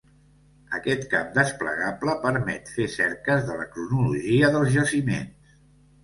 Aquest camp desplegable permet fer cerques de la cronologia dels jaciments.